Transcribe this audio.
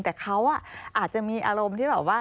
แต่เขาอาจจะมีอารมณ์ที่แบบว่า